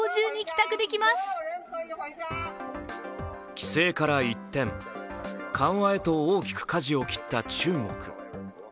規制から一転、緩和へと大きくかじを切った中国。